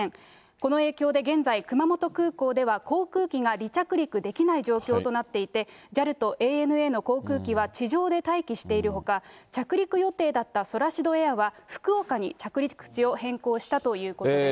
この影響で現在、熊本空港では航空機が離着陸できない状況となっていて、ＪＡＬとＡＮＡの航空機は地上で待機しているほか、着陸予定だったソラシドエアは、福岡に着陸地を変更したということです。